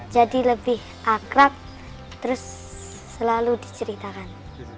jadi lebih akrab terus selalu diceritakan